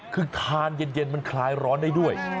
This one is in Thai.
คือทานเย็นมันคลายร้อนได้ด้วย